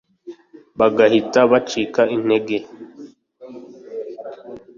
bagahita bacika intege